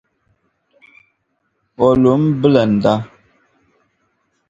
o lu m-bilinda.